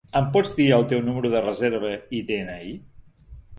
Em pots dir el teu número de reserva i de-ena-i?